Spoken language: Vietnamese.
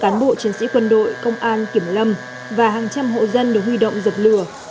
các cán bộ chiến sĩ quân đội công an kiểm lâm và hàng trăm hộ dân được huy động dập lửa